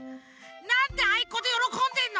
なんであいこでよろこんでんの！